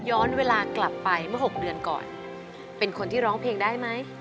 ย้อนเวลากลับไปเมื่อ๖เดือนก่อนเป็นคนที่ร้องเพลงได้ไหม